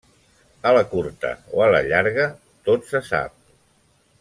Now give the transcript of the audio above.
A la curta o a la llarga, tot se sap.